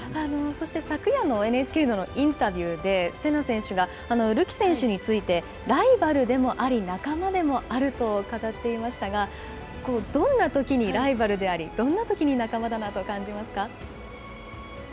そして昨夜のＮＨＫのインタビューで、せな選手がるき選手についてライバルでもあり、仲間でもあると語っていましたが、どんなときにライバルであり、どんなときに仲間だなと感じますか？